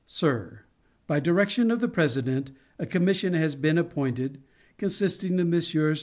SIR: By direction of the President, a commission has been appointed, consisting of Messrs.